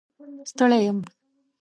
ستړی یم